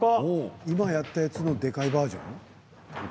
今やったやつのでかいバージョン？